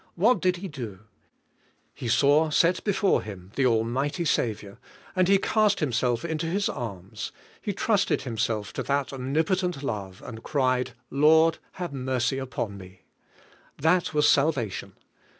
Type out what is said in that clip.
What did he do? He raw set before him the almighty Saviour and he cast himself into His arms; he trusted himself to that omnipotent love and cried, "Lord, have mercy upon me." That was salvation.